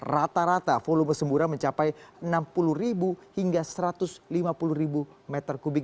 rata rata volume semburan mencapai enam puluh hingga satu ratus lima puluh meter kubik